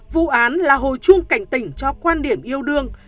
vụ án là hồi chuông cảnh tỉnh cho quan điểm yêu đương